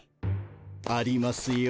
ありますよ。